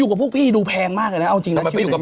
ข่าวซีเรียสครับผม